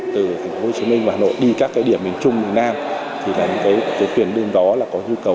từ thành phố hồ chí minh và hà nội đi các cái điểm miền trung miền nam thì cái tuyển đêm đó là có nhu cầu